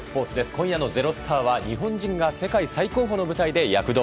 今夜の「＃ｚｅｒｏｓｔａｒ」は日本人が世界最高峰の舞台で躍動。